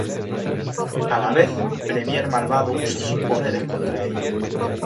A la vez, Premier Malvado usa sus poderes contra ellos.